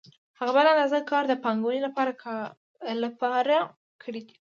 هغه بله اندازه کار د پانګوال لپاره کړی دی